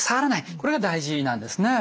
これが大事なんですね。